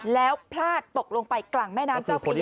แล้วพลาดตกลงไปกลางแม่น้ำเจ้าพระยา